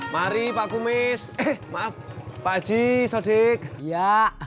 mari pak kumis maaf pak aji sodeq ya